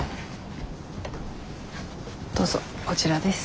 どうぞこちらです。